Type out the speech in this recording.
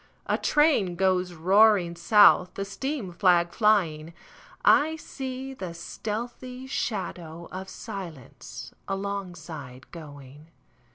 A train goes roaring south, The steam flag flying;I see the stealthy shadow of silenceAlongside going.